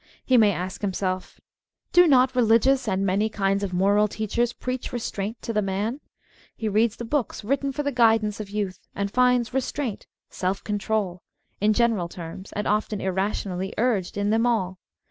He may ask himself : Do not religious and many kinds of moral teachers preach restraint to the man.f" He reads the books written for the guidance of youth, and finds " restraint," " self control," in general terms (and often irrationally) urged in them all.